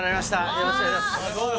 よろしくお願いします